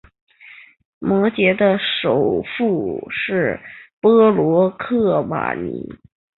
摩羯的首府是波罗克瓦尼。